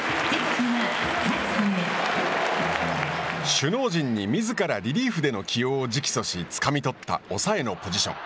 首脳陣にみずからリリーフでの起用を直訴しつかみ取った抑えのポジション。